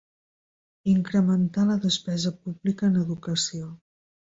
Incrementar la despesa pública en educació.